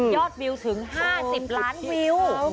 วิวถึง๕๐ล้านวิว